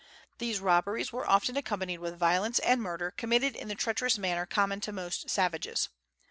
These robberies were often accompanied with violence and murder, committed in the treacherous manner common to most savages.